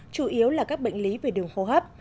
chủ yếu là các bệnh lý về đường hô hấp